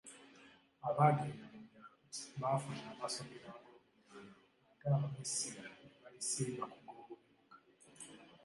"Abaagenda mu byalo, baafuna amasomero ag’omubyalo ate abamu essira ne balisimba ku g’omubibuga."